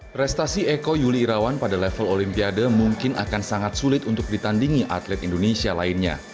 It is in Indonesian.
prestasi eko yuli irawan pada level olimpiade mungkin akan sangat sulit untuk ditandingi atlet indonesia lainnya